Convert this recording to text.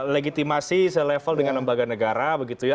legitimasi selevel dengan lembaga negara begitu ya